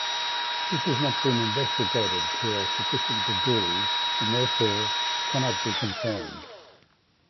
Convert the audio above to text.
This has not been investigated to a sufficient degree and therefore cannot be confirmed.